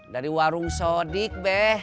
dari warung sodik be